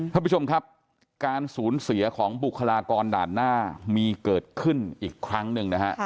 ท่านผู้ชมครับการสูญเสียของบุคลากรด่านหน้ามีเกิดขึ้นอีกครั้งหนึ่งนะฮะ